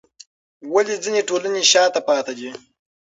ولې ځینې ټولنې شاته پاتې دي؟